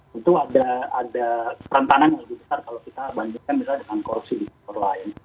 tentu ada kerentanan yang lebih besar kalau kita bandingkan misalnya dengan korupsi di sektor lain